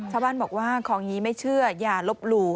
ชาวบ้านบอกว่าของอย่างนี้ไม่เชื่ออย่าลบหลู่